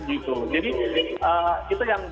jadi itu yang